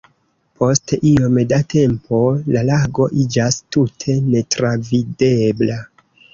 Post iom da tempo, la lago iĝas tute netravidebla.